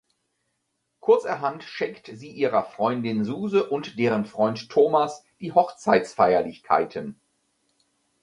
Kurzerhand schenkt sie ihrer Freundin Suse und deren Freund Thomas die Hochzeitsfeierlichkeiten.